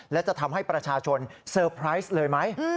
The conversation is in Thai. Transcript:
และจะทำให้ประชาชนเซอร์ไพรส์เลยไหม